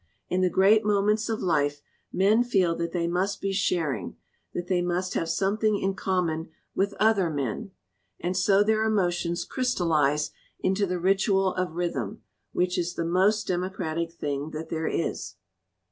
In the great moments of life men feel that they must be sharing, that they must have something in common with other men, and so their emotions crystallize into the ritual of rhythm, which is the most democratic thing that there is.